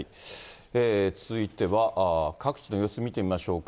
続いては、各地の様子見てみましょうか。